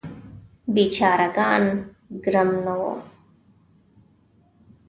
بیچاره ګان ګرم نه وو.